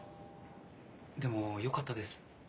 でもよかったです。